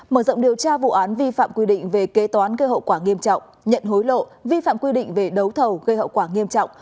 mở rộng điều tra vụ án vi phạm quy định về kế toán gây hậu quả nghiêm trọng nhận hối lộ vi phạm quy định về đấu thầu gây hậu quả nghiêm trọng